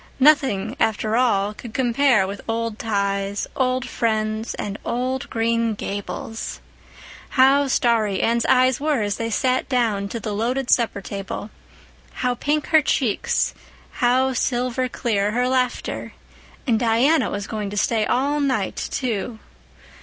Nothing, after all, could compare with old ties, old friends, and old Green Gables! How starry Anne's eyes were as they sat down to the loaded supper table, how pink her cheeks, how silver clear her laughter! And Diana was going to stay all night, too.